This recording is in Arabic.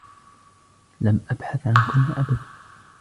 لم أبحث عنكن أبدا.